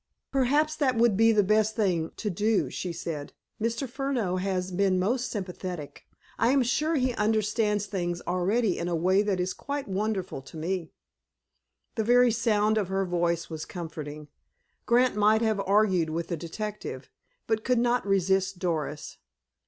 "Perhaps that would be the best thing to do," she said. "Mr. Furneaux has been most sympathetic. I am sure he understands things already in a way that is quite wonderful to me." The very sound of her voice was comforting. Grant might have argued with the detective, but could not resist Doris.